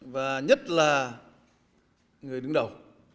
và nhất là người đứng đầu